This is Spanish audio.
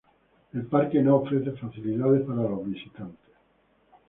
El parque no ofrece facilidades para visitantes.